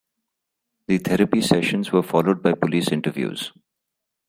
The therapy sessions were followed by police interviews.